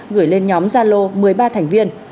gửi lên nhóm zalo một mươi ba thành viên